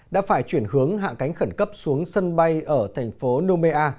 đã phải chuyển hướng hạ cánh khẩn cấp xuống sân bay ở thành phố nomea